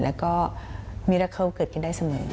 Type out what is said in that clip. แล้วก็มิระเข้าก็เกิดกันได้เสมอ